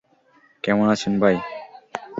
কেমন আছেন ভাই?